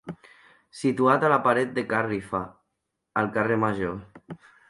Situat a la paret de Ca Rifa, al carrer Major.